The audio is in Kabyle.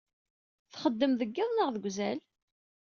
Txeddmemt deg iḍ neɣ deg uzal?